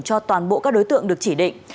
cho toàn bộ các đối tượng được chỉ định